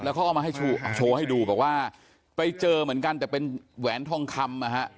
เขาเอามาให้โชว์ให้ดูบอกว่าไปเจอเหมือนกันแต่เป็นแหวนทองคำนะฮะ